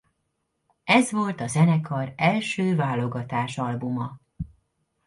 Ez volt a zenekar első válogatásalbuma.